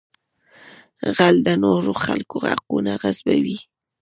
غل د نورو خلکو حقونه غصبوي